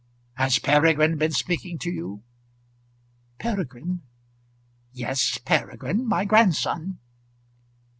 "Has Peregrine been speaking to you?" "Peregrine!" "Yes; Peregrine; my grandson?"